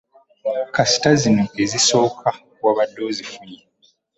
Kasita zino ezisooka wabadde ozifunye.